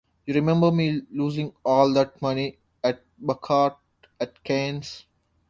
You remember me losing all that money at baccarat at Cannes?